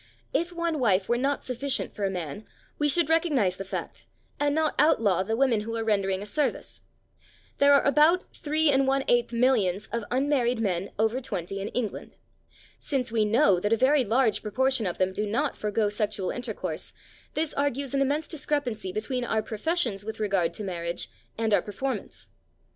If one wife were not sufficient for a man, we should recognise the fact and not outlaw the women who are rendering a service. There are about 3⅛ millions of unmarried men over 20 in England. Since we know that a very large proportion of them do not forgo sexual intercourse, this argues an immense discrepancy between our professions with regard to marriage and our performance.